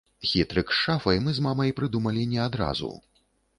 Хітрык з шафай мы з мамай прыдумалі не адразу.